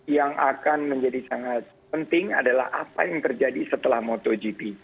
yang akan menjadi sangat penting adalah apa yang terjadi setelah motogp